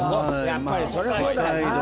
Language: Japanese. やっぱりそりゃそうだよな。